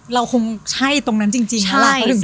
เราคงใช่ตรงนั้นจริงแล้วก็ถึงโบมา